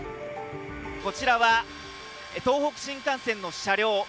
こちらは東北新幹線の車両。